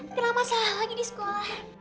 kenapa saya lagi di sekolah